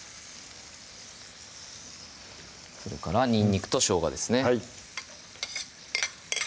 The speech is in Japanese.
それからにんにくとしょうがですね